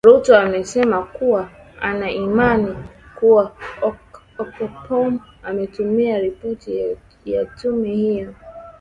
ruto amesema kuwa ana imani kuwa ocampo ametumia ripoti ya tume hiyo